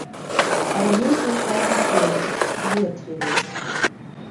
Раней быў хатні хлопец, ветлівы.